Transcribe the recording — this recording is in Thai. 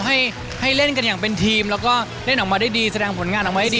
ให้ให้เล่นกันอย่างเป็นทีมแล้วก็เล่นออกมาได้ดีแสดงผลงานออกมาให้ดี